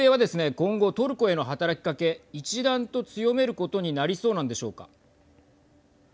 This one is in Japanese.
今後トルコへの働きかけ一段と強めることになりそうなんでしょうか。